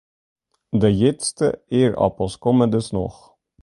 De hjitste ierappels komme dus noch.